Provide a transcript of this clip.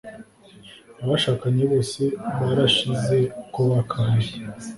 Abashakanye bose barashize uko bakabaye